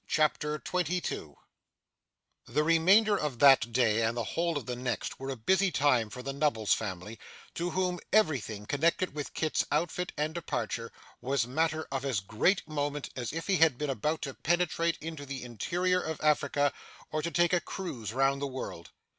CHAPTER 22 The remainder of that day and the whole of the next were a busy time for the Nubbles family, to whom everything connected with Kit's outfit and departure was matter of as great moment as if he had been about to penetrate into the interior of Africa, or to take a cruise round the world.